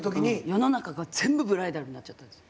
世の中が全部ブライダルになっちゃったんですよ。